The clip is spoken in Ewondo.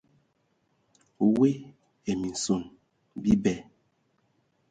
Woe ai minson bibɛ.